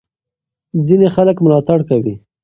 ځینې خلک ملاتړ کوي.